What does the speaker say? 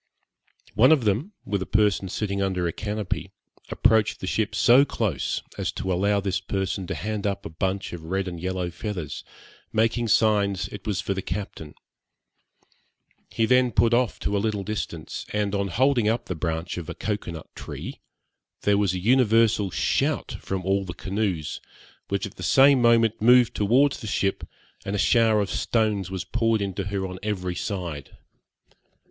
One of them, with a person sitting under a canopy, approached the ship so close, as to allow this person to hand up a bunch of red and yellow feathers, making signs it was for the captain. He then put off to a little distance, and, on holding up the branch of a cocoa nut tree, there was an universal shout from all the canoes, which at the same moment moved towards the ship, and a shower of stones was poured into her on every side.